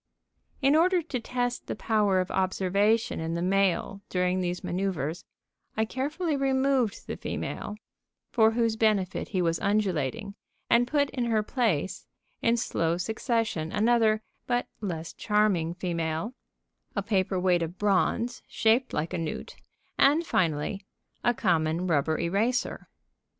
In order to test the power of observation in the male during these manœuvers, I carefully removed the female, for whose benefit he was undulating, and put in her place, in slow succession, another (but less charming) female, a paper weight of bronze shaped like a newt, and, finally, a common rubber eraser.